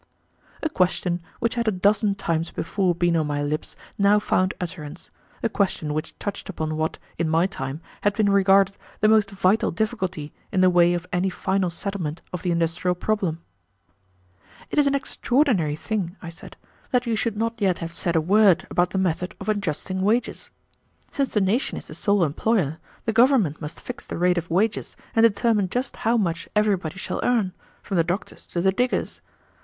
A question which had a dozen times before been on my lips now found utterance, a question which touched upon what, in my time, had been regarded the most vital difficulty in the way of any final settlement of the industrial problem. "It is an extraordinary thing," I said, "that you should not yet have said a word about the method of adjusting wages. Since the nation is the sole employer, the government must fix the rate of wages and determine just how much everybody shall earn, from the doctors to the diggers.